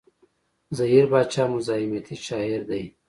زهير باچا مزاحمتي شاعر دی.